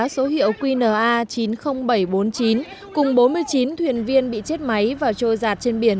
số hiệu qna chín mươi nghìn bảy trăm bốn mươi chín cùng bốn mươi chín thuyền viên bị chết máy và trôi giạt trên biển